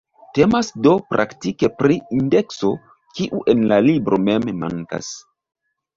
Temas do praktike pri indekso, kiu en la libro mem mankas.